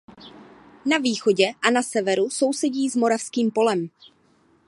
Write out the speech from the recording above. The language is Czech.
Na východě a na severu sousedí s Moravským polem.